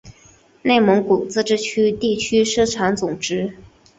内蒙古自治区地区生产总值